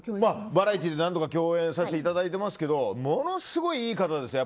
バラエティーで何度か共演させていただいていますがものすごくいい方ですよ。